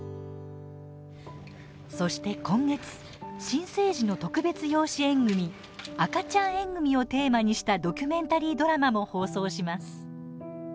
そして今月新生児の特別養子縁組赤ちゃん縁組をテーマにしたドキュメンタリードラマも放送します。